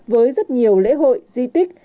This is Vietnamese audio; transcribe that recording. với rất nhiều lễ hội di tích